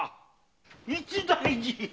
一大事！